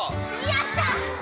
やった！